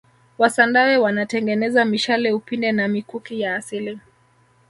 wasandawe wanatengeneza mishale upinde na mikuki ya asili